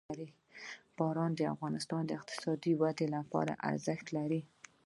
باران د افغانستان د اقتصادي ودې لپاره ارزښت لري.